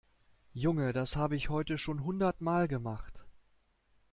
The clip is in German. Junge, das habe ich heute schon hundertmal gemacht.